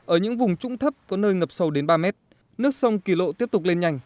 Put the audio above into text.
ở những vùng trũng thấp có nơi ngập sâu đến ba mét nước sông kỳ lộ tiếp tục lên nhanh